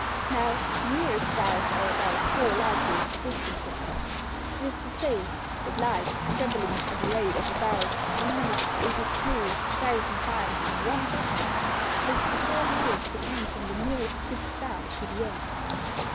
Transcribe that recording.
Now, the nearest stars are about four "light years" distant from us. That is to say, that light, travelling at a rate of about 182,000 miles in one second, takes four years to come from the nearest fixed star to the Earth.